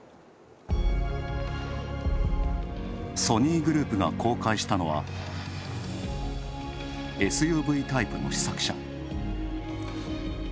ソニーグループが公開したのは、ＳＵＶタイプの試作車。